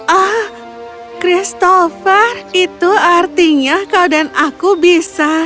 ah christopher itu artinya kau dan aku bisa